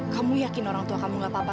kamu yakin orang tua kamu gak apa apa